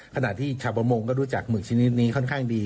ขณะที่ชาวประมงก็รู้จักหมึกชนิดนี้ค่อนข้างดี